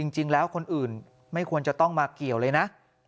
จริงแล้วคนอื่นไม่ควรจะต้องมาเกี่ยวเลยนะ